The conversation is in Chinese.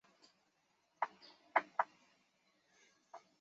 编于明代。